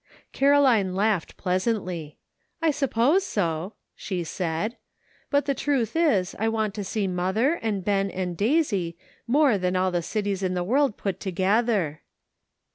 Caroline laughed pleasantly. "I suppose so," she said, " but the truth is I want to see mother, and Ben, and Daisy, more than all the cities in the world put together."